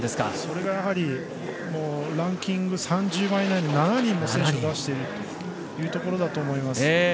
それがランキング３０番以内に７人の選手を出しているというところだと思います。